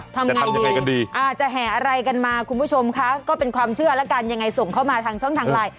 ทำไงดีกันดีอาจจะแห่อะไรกันมาคุณผู้ชมคะก็เป็นความเชื่อแล้วกันยังไงส่งเข้ามาทางช่องทางไลน์